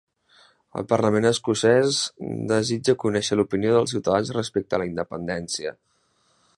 El Parlament Escocès desitja conèixer l'opinió dels ciutadans respecte a la independència